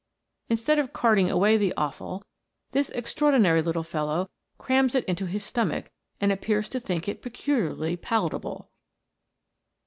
Instead of carting away the offal, this extraordinary little fellow crams it into his stomach, and appears to think it peculiarly palatable.